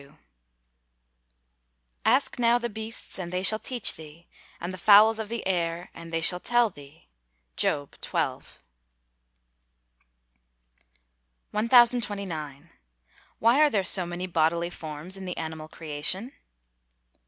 [Verse: "Ask now the beasts, and they shall teach thee; and the fowls of the air, and they shall tell thee." JOB XII.] CHAPTER LII. 1029. _Why are there so many bodily forms in the animal creation?